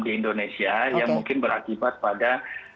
di indonesia yang mungkin berakibat pada